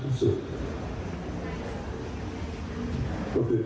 ในใจผมนะครับ